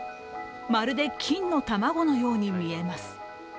まるで金の卵のように見えます。